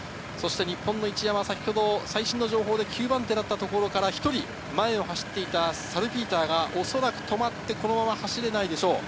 日本の一山は先ほど最新の情報で９番手だったところから１人、前を走っていたサルピーターがおそらく止まって、このまま走れないでしょう。